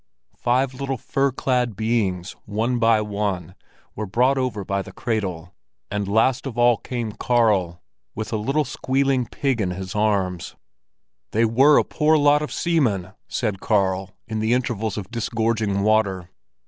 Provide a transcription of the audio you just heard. Five little fur clad beings, one by one, were brought over by the cradle, and last of all came Karl with a little squealing pig in his arms. "They were a poor lot of seamen!" said Karl, in the intervals of disgorging water.